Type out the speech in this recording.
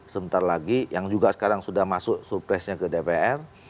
sebentar lagi yang juga sekarang sudah masuk surpresnya ke dpr